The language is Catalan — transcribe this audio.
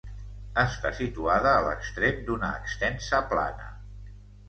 Està situada a l'extrem d'una extensa plana.